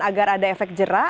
agar ada efek jerah